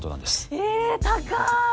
・えぇ高い。